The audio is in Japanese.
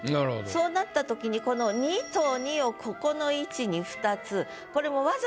そうなった時にこの「二」と「二」をここの位置に２つ。